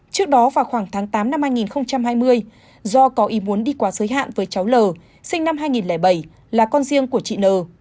trước đó vào khoảng tháng tám năm hai nghìn hai mươi do có ý muốn đi qua giới hạn với cháu l sinh năm hai nghìn bảy là con riêng của chị n